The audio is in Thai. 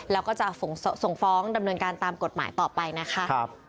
แล้วก็จะส่งฟ้องดำเนินการตามกฎหมายต่อไปนะคะ